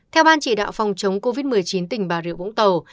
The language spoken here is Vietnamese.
theo ban chỉ đạo phòng chống covid một mươi chín tỉnh bảo địa phú tàu